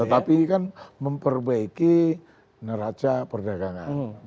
tetapi kan memperbaiki neraca perdagangan